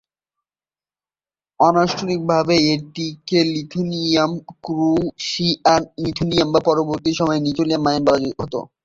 অনানুষ্ঠানিকভাবে এটিকে Lithuania, Prussian Lithuania বা, পরবর্তী সময়ে, লিথুয়ানিয়া মাইনর বলা হত।